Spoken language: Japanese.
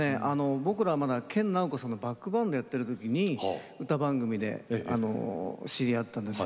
僕らはまだ研ナオコさんのバックバンドやってる時に歌番組で知り合ったんですけど。